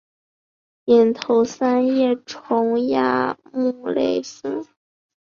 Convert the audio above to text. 隐头三叶虫亚目类似。